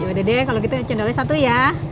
udah deh kalau gitu cendolnya satu ya